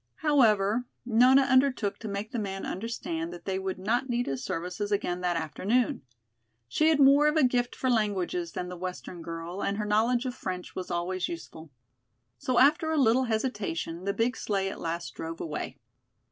However, Nona undertook to make the man understand that they would not need his services again that afternoon. She had more of a gift for languages than the western girl and her knowledge of French was always useful. So after a little hesitation, the big sleigh at last drove away.